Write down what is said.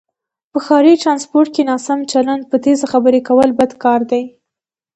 په ښاری ټرانسپورټ کې ناسم چلند، په تیزه خبرې کول بد کاردی